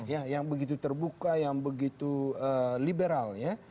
ya yang begitu terbuka yang begitu liberal ya